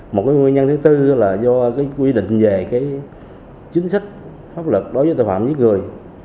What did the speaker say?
một nguyên nhân thứ tư là do quy định về chính sách pháp luật đối với tội phạm giết người